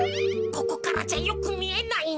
ここからじゃよくみえないな。